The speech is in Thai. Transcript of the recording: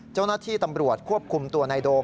เจ้าหน้าที่ตำรวจควบคุมตัวนายโดม